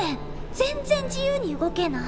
全然自由に動けない。